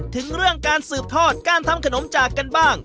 ถึงเรื่องการสืบทอดการทำขนมจากกันบ้าง